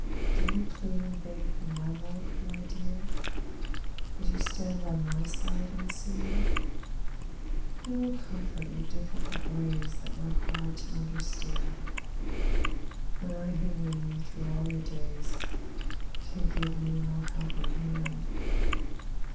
Do you plead in yain for my love, my dear, As you stand by my side unseen? Who will comfort your difScult ways That were hard to understand. When I who knew you through all your days. Can give you no helping hand?